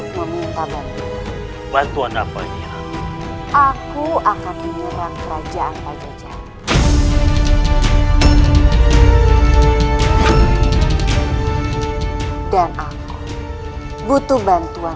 dia sangat menunggu saat kakanda keluar dari istana